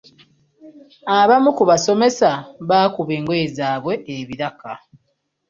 Abamu ku basomesa bakuba engoye zaabwe ebiraka.